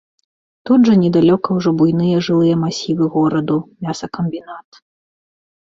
Тут жа недалёка ўжо буйныя жылыя масівы гораду, мясакамбінат.